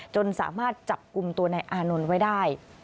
จนสามารถจับกลุ่มตัวนายอานนท์ไว้ได้